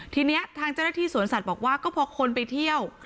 ทีนี้ทางเจ้าหน้าที่สวนสัตว์บอกว่าก็พอคนไปเที่ยว